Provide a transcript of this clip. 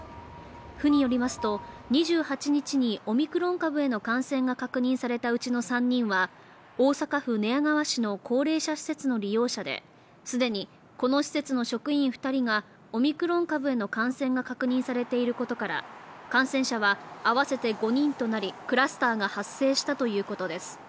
府によりますと２８日にオミクロン株への感染が確認されたうちの３人は大阪府寝屋川市の高齢者施設の利用者で既にこの施設の職員２人がオミクロン株への感染が確認されていることから感染者は合わせて５人となりクラスターが発生したということです。